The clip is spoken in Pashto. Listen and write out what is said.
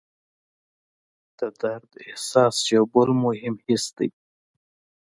د درد احساس یو بل مهم حس دی.